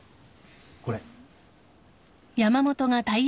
これ。